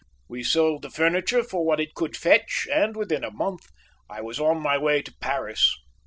We sold the furniture for what it could fetch, and within a month I was on my way to Paris.